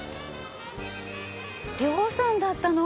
両さんだったの！